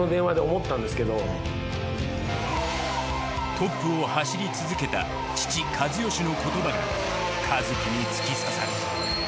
トップを走り続けた父一義の言葉が一樹に突き刺さる。